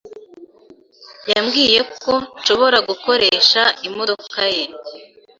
Yambwiye ko nshobora gukoresha imodoka ye.